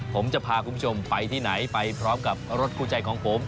ผมจะพาคุณผู้ชมไปที่ไหนไปพร้อมกับรถคู่ใจของผม